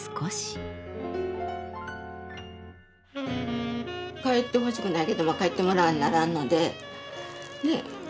帰ってほしくないけどまあ帰ってもらわなならんので。